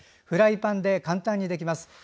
フライパンで簡単にできます。